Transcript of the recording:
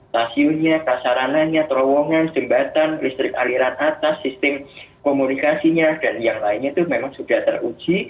stasiunnya prasarananya terowongan jembatan listrik aliran atas sistem komunikasinya dan yang lainnya itu memang sudah teruji